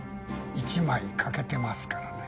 １枚欠けてますからね。